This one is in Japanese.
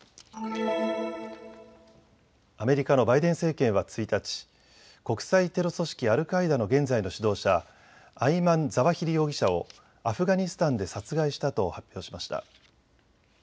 アメリカのバイデン政権は１日、国際テロ組織アルカイダの現在の指導者アイマン・ザワヒリ容疑者をアフガニスタンで殺害したと発表しました。